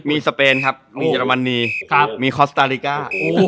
มีสเปนครับมีเยอรมนีมีคอสตาลิก้า